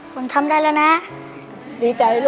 ผมทำได้แล้วนะรักแม่มากครับ